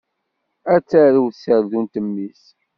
Ad tarew tserdunt mmi-s.